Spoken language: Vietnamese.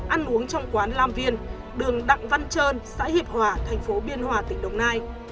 ăn uống trong quán lam viên đường đặng văn trơn xã hiệp hòa thành phố biên hòa tỉnh đồng nai